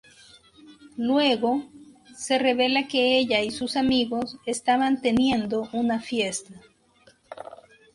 Luego, se revela que ella y sus amigos estaban teniendo una fiesta.